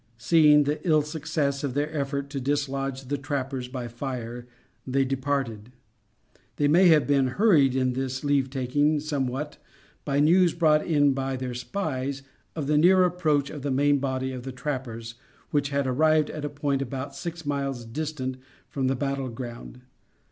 Seeing the ill success of their effort to dislodge the trappers by fire, they departed. They may have been hurried in this leave taking somewhat by news brought in by their spies of the near approach of the main body of the trappers, which had arrived at a point about six miles distant from the battle ground.